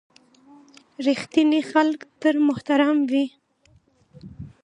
• رښتیني خلک تل محترم وي.